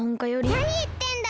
なにいってんだ！